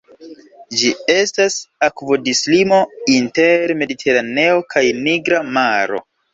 Ĝi estas akvodislimo inter Mediteraneo kaj Nigra Maro.